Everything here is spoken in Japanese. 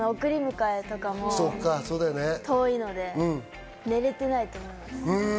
送り迎えとかも遠いので寝れていないと思います。